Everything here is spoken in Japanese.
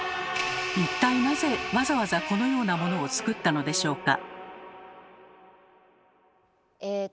一体なぜわざわざこのようなモノを作ったのでしょうか？